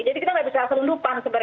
jadi kita nggak bisa asal lupa sebenarnya